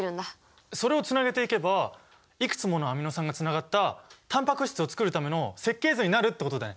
それをつなげていけばいくつものアミノ酸がつながったタンパク質を作るための設計図になるってことだね！